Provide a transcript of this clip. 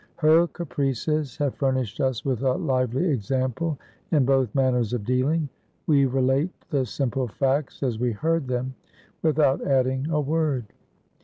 Her caprices have furnished us with a lively ex ample in both manners of dealing. We relate the sim ple facts as we heard them, without adding a word.